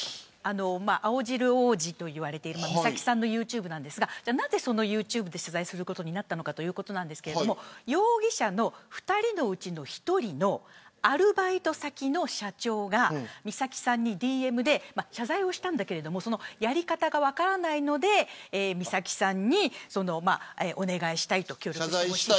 青汁王子と言われている三崎さんのユーチューブなんですがなぜ、そのユーチューブで謝罪することになったのかということですが容疑者の２人のうちの１人のアルバイト先の社長が三崎さんにＤＭで謝罪をしたいんだけどやり方が分からないので三崎さんにお願いしたいと。